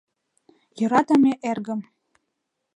— Йӧратыме эргым!